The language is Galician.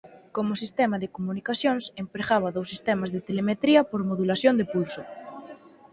Como sistema de comunicacións empregaba dous sistemas de telemetría por modulación de pulso.